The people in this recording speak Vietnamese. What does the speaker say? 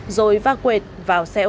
rồi va quệt vào xe ô tô con